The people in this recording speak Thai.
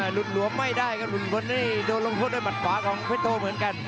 หลุดหลวมไม่ได้ครับหลุดคนนี้โดนลงโทษด้วยหมัดขวาของเพชรโตเหมือนกัน